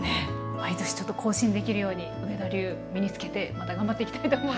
毎年ちょっと更新できるように上田流身につけてまた頑張っていきたいと思います。